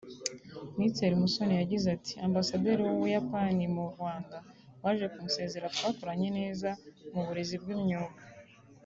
Minisitiri Musoni yagize ati “Ambasaderi w’u Buyapani mu Rwanda waje kunsezera twakoranye neza mu burezi bw’imyuga